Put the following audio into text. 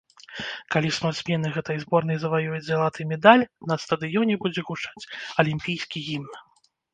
Калі спартсмены гэтай зборнай заваююць залаты медаль, на стадыёне будзе гучаць алімпійскі гімн.